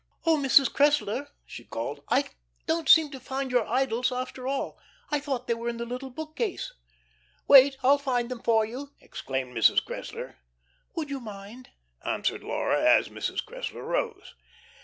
"Oh, Mrs. Cressler," she called, "I don't seem to find your 'Idylls' after all. I thought they were in the little book case." "Wait. I'll find them for you," exclaimed Mrs. Cressler. "Would you mind?" answered Laura, as Mrs. Cressler rose.